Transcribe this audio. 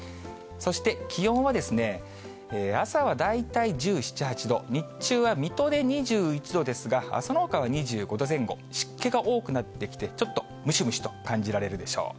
そして、気温は、朝は大体１７、８度、日中は水戸で２１度ですが、そのほかは２５度前後、湿気が多くなってきて、ちょっとムシムシと感じられるでしょう。